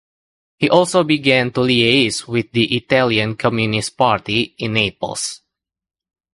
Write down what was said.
He also began to liaise with the Italian Communist Party in Naples.